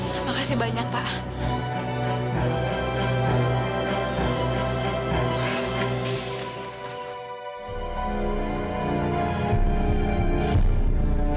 terima kasih banyak pak